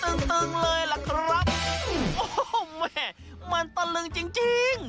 แม่มันตะลึงจริง